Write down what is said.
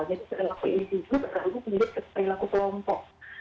jadi perilaku individu terlalu punya perilaku kelompok